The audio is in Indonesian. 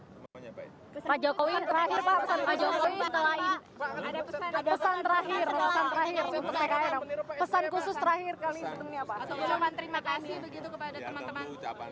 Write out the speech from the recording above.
semuanya baik terakhir pak pesan terakhir terakhir pesan khusus terakhir terima kasih